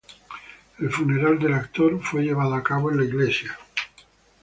El funeral del actor fue llevado a cabo en la iglesia St.